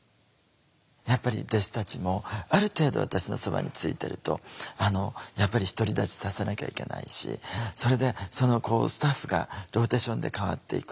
やっぱり弟子たちもある程度私のそばについてるとやっぱり独り立ちさせなきゃいけないしそれでスタッフがローテーションで替わっていく。